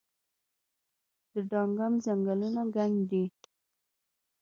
د دانګام ځنګلونه ګڼ دي